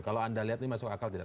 kalau anda lihat ini masuk akal tidak